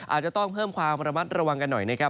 อาจจะต้องเพิ่มความระมัดระวังกันหน่อยนะครับ